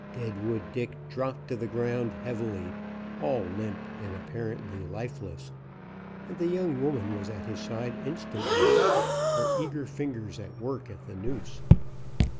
Deadwood Dick dropped to the ground heavily, all limp and apparently lifeless, and the young woman was at his side instantly, her eager fingers at work at the noose.